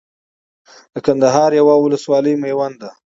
د کندهار يوه ولسوالي ميوند ده